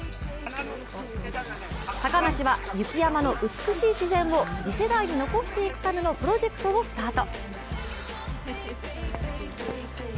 高梨は雪山の美しい自然を次世代に残していくためのプロジェクトをスタート。